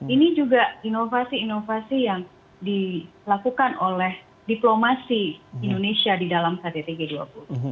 ini juga inovasi inovasi yang dilakukan oleh diplomasi indonesia di dalam ktt g dua puluh